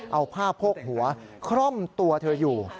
เอาผ้าโพกหัวคร่อมตัวเธออยู่